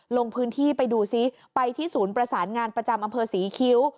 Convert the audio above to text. ลงพื้นที่ไปดูซิไปที่ศูนย์ประสานงานประจำอำเภอศรีคิ้ว